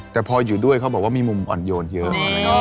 แต่พออยู่ด้วยเขาบอกว่ามีมุมอ่อนโยนเยอะ